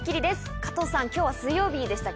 加藤さん今日は水曜日でしたっけ？